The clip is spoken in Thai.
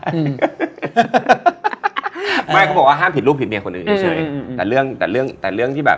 อืมไม่เขาบอกว่าห้ามผิดรูปผิดเมียคนอื่นเฉยอืมแต่เรื่องแต่เรื่องแต่เรื่องที่แบบ